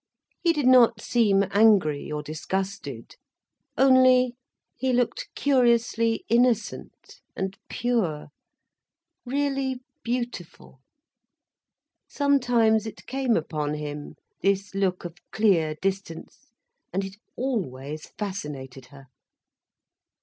He did not seem angry or disgusted, only he looked curiously innocent and pure, really beautiful. Sometimes it came upon him, this look of clear distance, and it always fascinated her.